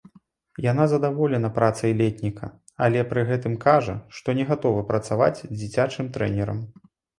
Яна задаволеная працай летніка, але пры гэтым кажа, што не гатовая працаваць дзіцячым трэнерам.